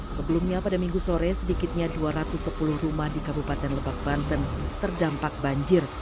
sebelumnya pada minggu sore sedikitnya dua ratus sepuluh rumah di kabupaten lebak banten terdampak banjir